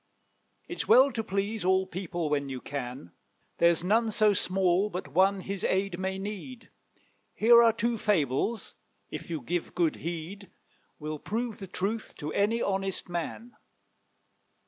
It's well to please all people when you can; There's none so small but one his aid may need. Here are two fables, if you give good heed, Will prove the truth to any honest man.